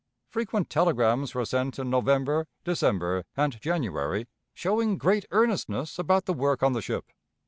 Frequent telegrams were sent in November, December, and January, showing great earnestness about the work on the ship.